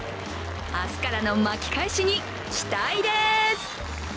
明日からの巻き返しに期待です。